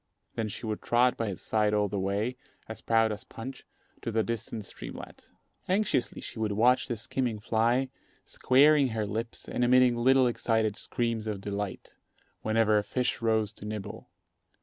Then she would trot by his side all the way, as proud as Punch, to the distant streamlet. Anxiously she would watch the skimming fly, squaring her lips and emitting little excited screams of delight, whenever a fish rose to nibble.